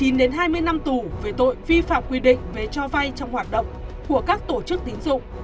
một mươi chín hai mươi năm tù về tội vi phạm quy định về cho vai trong hoạt động của các tổ chức tín dụng